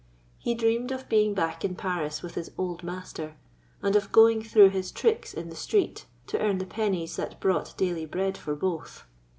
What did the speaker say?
He dreamed of being back in Paris with his old master, and of going through his tricks in the streets to earn the pennies that brought daily bread for both.